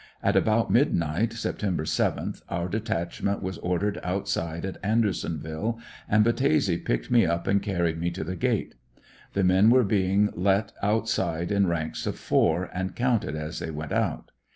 At about midnight, Septem ber 7th, our detachment was ordered outside at Andersonville, and Battese picked me up and carried me to the gate. The men were being let outside in ranks of four, and counted as they went out.